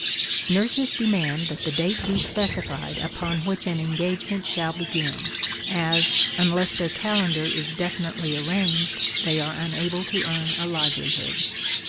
Nurses demand that the date be specified upon which an engagement shall begin, as, unless their calendar is definitely arranged, they are unable to earn a livelihood.